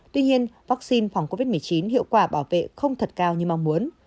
tuy nhiên vaccine phòng covid một mươi chín hiệu quả bảo vệ không thật cao như mong muốn